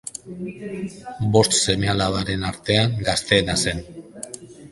Bost seme-alabaren artean gazteena zen.